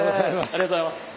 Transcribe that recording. ありがとうございます。